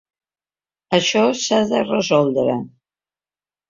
Això s'ha de resoldre.